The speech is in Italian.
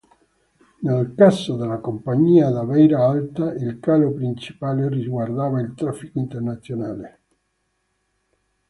Nel caso della Companhia da Beira Alta il calo principale riguardava il traffico internazionale.